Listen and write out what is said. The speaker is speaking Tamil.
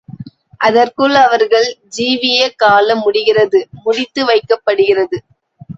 அதற்குள் அவர்கள் ஜீவிய காலம் முடிகிறது முடித்து வைக்கப்படுகிறது.